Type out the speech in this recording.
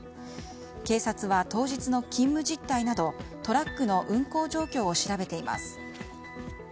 警察は、当日の勤務実態などトラックの運行状況を調べています。